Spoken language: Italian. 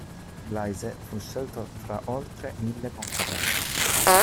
Blaise fu scelto fra oltre mille concorrenti.